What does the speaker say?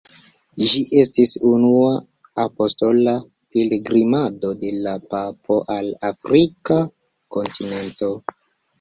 Ĝi estis unua apostola pilgrimado de la papo al Afrika kontinento.